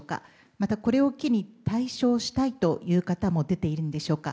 また、これを機に退所したいという方も出ているんでしょうか。